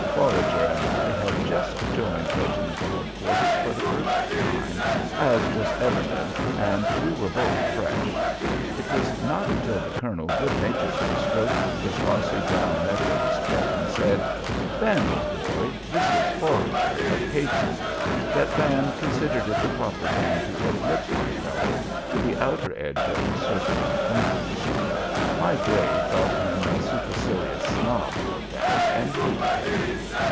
Forager and I had just joined regimental head quarters for the first time, as was evident, and we were both "fresh." It was not until the colonel good naturedly stroked the glossy brown neck of his pet and said, "Van, old boy, this is Forager, of 'K' Troop," that Van considered it the proper thing to admit my fellow to the outer edge of his circle of acquaintance. My gray thought him a supercilious snob, no doubt, and hated him.